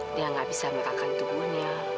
dia gak bisa merahkan tubuhnya